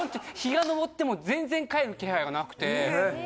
日が昇っても全然帰る気配がなくて。